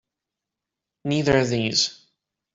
Neither of these.